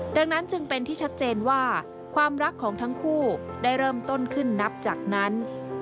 ดังนั้นจึงเป็นที่ชัดเจนว่าความรักของทั้งคู่ได้เริ่มต้นขึ้นนับจากนั้น